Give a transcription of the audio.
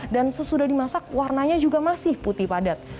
dan sesudah dimasak warnanya juga masih putih padat